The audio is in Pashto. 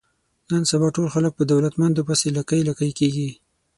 نن سبا ټول خلک په دولتمندو پسې لکۍ لکۍ کېږي.